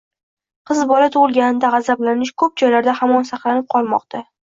Qiz bola tug‘ilganida g‘azablanish ko‘p joylarda hamon saqlanib qolmoqda.